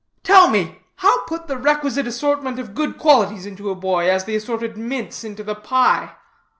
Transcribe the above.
"Tell me, how put the requisite assortment of good qualities into a boy, as the assorted mince into the pie?"